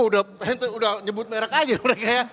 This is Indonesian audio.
udah nyebut merek aja mereka ya